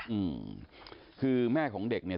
อืมคือแม่ของเด็กเนี่ย